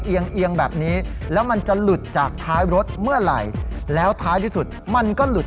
เอียงแบบนี้แล้วมันจะหลุดจากท้ายรถเมื่อไหร่แล้วท้ายที่สุดมันก็หลุด